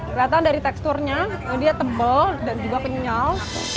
kelihatan dari teksturnya dia tebal dan juga kenyal